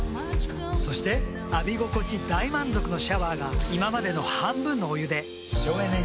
そして浴び心地大満足のシャワーが今までの半分のお湯で省エネに。